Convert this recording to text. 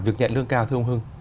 việc nhận lương cao thưa ông hưng